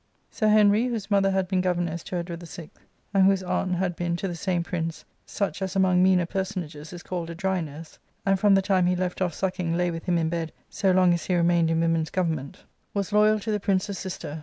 Sir Henry, whose mother had been governess to Edward VI., and whose aunt had been to the same prince " such as among meaner personages is called a dry nurse, and from the time he left off sucking lay with him in bed so long as he remained in women's government," was loyal to the prince's sister.